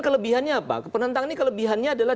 kelebihannya apa penantang ini kelebihannya